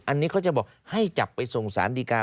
อันนี้เขาจะบอกให้จับไปส่งสารดีกา